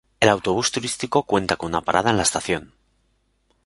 El autobús turístico cuenta con una parada en la estación.